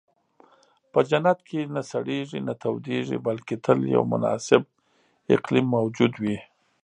په جنت کې نه سړېږي، نه تودېږي، بلکې تل یو مناسب اقلیم موجود وي.